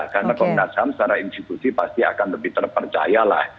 karena komnas ham secara institusi pasti akan lebih terpercaya lah